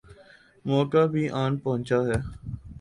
موقع بھی آن پہنچا ہے۔